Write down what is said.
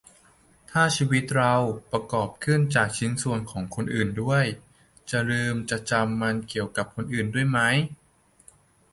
ถ้าชีวิตเราประกอบขึ้นจากชิ้นส่วนของคนอื่นด้วย จะลืมจะจำมันเกี่ยวกับคนอื่นด้วยไหม